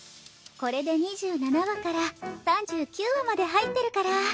これで２７話から３９話まで入ってるから。